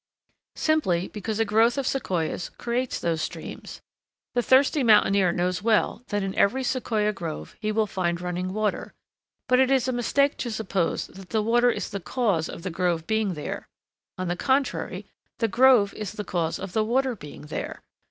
Simply because a growth of Sequoias creates those streams. The thirsty mountaineer knows well that in every Sequoia grove he will find running water, but it is a mistake to suppose that the water is the cause of the grove being there; on the contrary, the grove is the cause of the water being there.